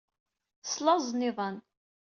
Slaẓen iḍan.